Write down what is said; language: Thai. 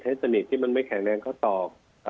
ให้สนิทที่มันไม่แข็งแรงก็ตอก